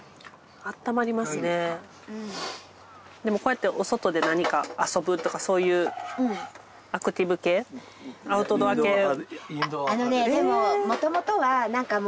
でもこうやってお外で何か遊ぶとかそういうアクティブ系アウトドア系。